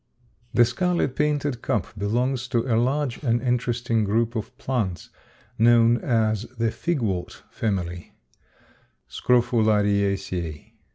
_ The scarlet painted cup belongs to a large and interesting group of plants known as the figwort family (Scrophulariaceæ).